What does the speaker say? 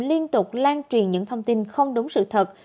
liên tục lan truyền những thông tin không đúng sự thật